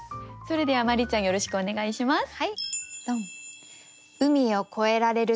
それでは真里ちゃんよろしくお願いします。